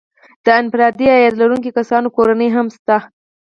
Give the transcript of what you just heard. د انفرادي عاید لرونکو کسانو کورنۍ هم شته